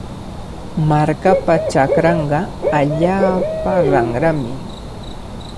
Markapa chakranqa allaapa ranrami.